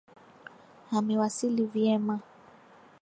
Amewasili vyema